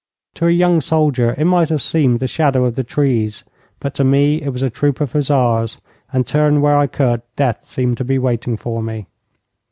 To a young soldier it might have seemed the shadow of the trees, but to me it was a troop of hussars, and, turn where I could, death seemed to be waiting for me.